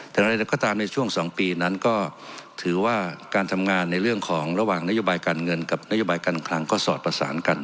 แต่อะไรก็ตามในช่วง๒ปีนั้นก็ถือว่าการทำงานในเรื่องของระหว่างนโยบายการเงินกับนโยบายการคลังก็สอดประสานกัน